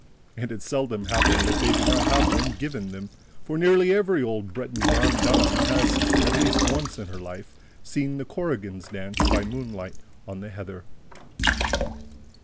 And it seldom happened that they did not have one "given" them; for nearly every old Breton grandame has, at least once in her life, seen the "korrigans" dance by moonlight on the heather.